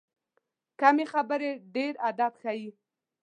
کمې خبرې، ډېر ادب ښیي.